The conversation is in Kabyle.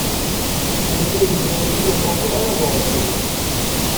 Yasuɛ inna-asen: Ur ḥwaǧen ara ad ṛuḥen.